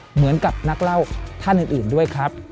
เหมือนกับนักเล่าท่านอื่นด้วยครับ